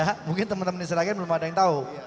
ya mungkin teman teman di seragen belum ada yang tahu